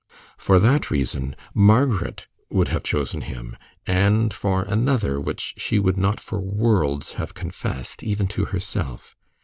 For that reason Margaret would have chosen him, and for another which she would not for worlds have confessed, even to herself.